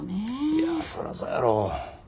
いやそらそやろ。